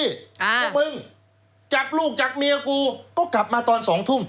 พวกมึงจับลูกจับเมียกูก็กลับมาตอนสองทุ่ม